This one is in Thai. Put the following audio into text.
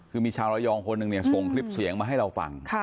คือมีชาวระยองคนหนึ่งเนี่ยส่งคลิปเสียงมาให้เราฟัง